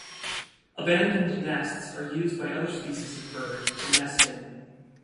Abandoned nests are used by other species of bird to nest in.